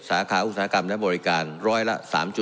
สาขาอุตสาหกรรมและบริการร้อยละ๓๕